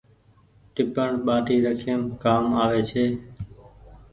ٽيپڻ ٻآٽي رکيم ڪآ ڪآم آوي ڇي۔